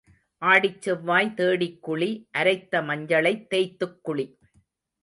ஆடிச் செவ்வாய் தேடிக் குளி அரைத்த மஞ்சளைத் தேய்த்துக் குளி.